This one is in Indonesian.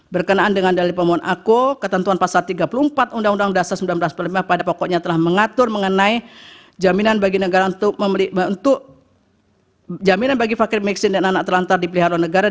berkenaan dengan dalil pemohon aku ketentuan pasal tiga puluh empat undang undang dasar sembilan belas lima pada pokoknya telah mengatur mengenai jaminan bagi fakir meksin dan anak terlantar di pilihan orang negara